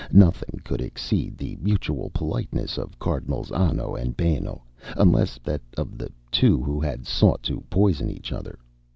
Nothing could exceed the mutual politeness of Cardinals Anno and Benno, unless that of the two who had sought to poison each other.